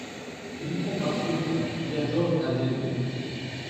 Filippo Bartolini viaggiò in Algeria.